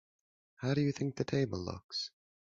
How do you think the table looks?